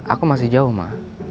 aku masih jauh ma